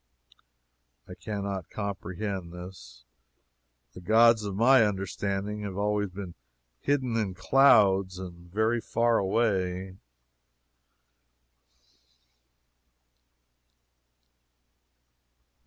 I can not comprehend this; the gods of my understanding have been always hidden in clouds and very far away.